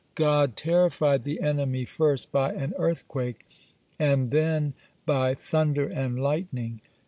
God terrified the enemy first by an earthquake, and then by thunder and lightning.